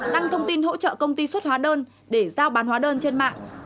đăng thông tin hỗ trợ công ty xuất hóa đơn để giao bán hóa đơn trên mạng